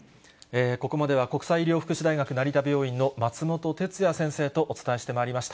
ここまでは、国際医療福祉大学成田病院の松本哲哉先生とお伝えしてまいりました。